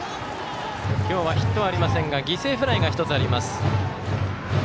今日はヒットがありませんが犠牲フライ１つあります。